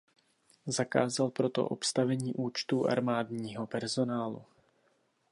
Zakázal proto obstavení účtů armádního personálu.